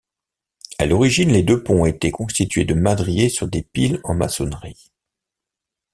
À l'origine, les deux ponts étaient constitués de madriers sur des piles en maçonneries.